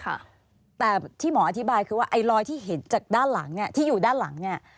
ค่ะเอาที่หลังมาแต่ที่หมออธิบายคือว่าไอลอยที่เห็นจากด้านหลังเนี่ยที่อยู่ด้านหลังเนี่ย